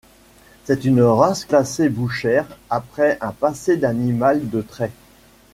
C'est une race classée bouchère après un passé d'animal de trait.